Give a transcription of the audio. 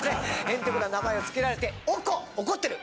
ヘンテコな名前を付けられて「おこ」怒ってる。